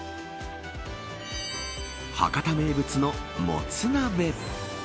博多名物のもつ鍋。